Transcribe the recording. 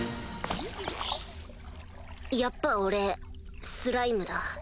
やっぱ俺スライムだ。